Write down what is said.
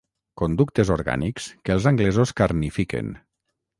Conductes orgànics que els anglesos carnifiquen.